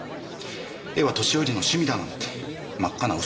絵は年寄りの趣味だなんて真っ赤な嘘だったわけだ。